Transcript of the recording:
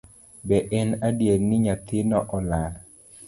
Be en adier ni nyathino olal